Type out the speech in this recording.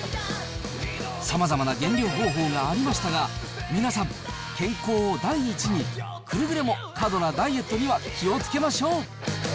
さまざまな減量方法がありましたが、皆さん、健康第一に、くれぐれも過度なダイエットには気をつけましょう。